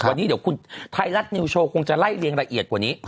วันนี้เดี๋ยวคุณไทยรัฐนิวโชว์คงจะไล่เรียงละเอียดกว่านี้